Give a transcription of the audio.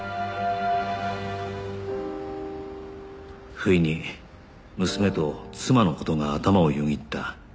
不意に娘と妻の事が頭をよぎった